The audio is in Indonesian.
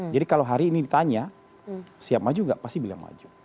jadi kalau hari ini ditanya siap maju enggak pasti beliau maju